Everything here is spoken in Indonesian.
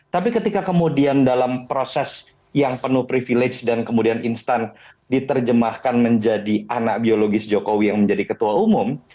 tapi ketika kemudian dalam proses yang penuh privilege dan kemudian instan diterjemahkan menjadi anak biologis jokowi yang menjadi ketua umum